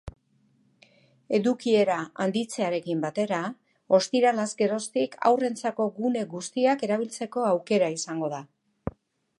Edukiera handitzearekin batera, ostiralaz geroztik haurrentzako gune guztiak erabiltzeko aukera izango da.